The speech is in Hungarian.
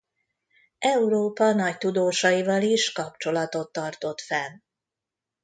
Európa nagy tudósaival is kapcsolatot tartott fenn.